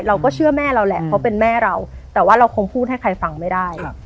เราก็เชื่อแม่เราแหละเขาเป็นแม่เราแต่ว่าเราคงพูดให้ใครฟังไม่ได้